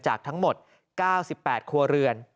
จากทั้งหมด๙๘ครัวเรือน